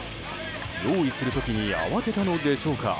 用意する時に慌てたのでしょうか。